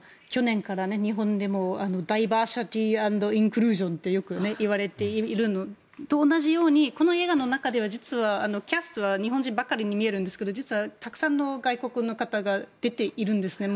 去年から日本でもダイバーシティー・アンド・インクルージョンとよくいわれているのと同じようにこの映画の中では実はキャストは日本人ばかりに見えるんですが実はたくさんの外国の方が出ているんです。